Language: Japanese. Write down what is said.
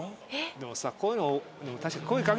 でもさこういうの。